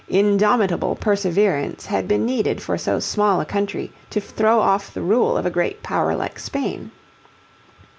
Indomitable perseverance had been needed for so small a country to throw off the rule of a great power like Spain.